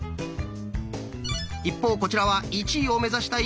一方こちらは１位を目指したいみのんさん。